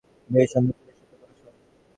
বেশ, অন্তত চেষ্টা তো করেছ।